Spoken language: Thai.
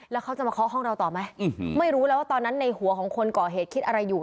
แล้วเขาจะมาเคาะห้องเราต่อไหมไม่รู้แล้วว่าตอนนั้นในหัวของคนก่อเหตุคิดอะไรอยู่